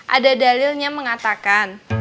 ada dalilnya mengatakan